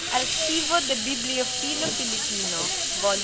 Archive del Bibliofilo Filipino, vol.